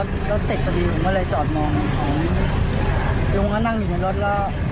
รถรถติดต่อดีผมก็เลยจอดมองอยู่มันก็นั่งอยู่ในรถแล้ว